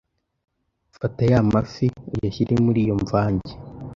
Fata ya mafi uyashyire muri iyo mvange,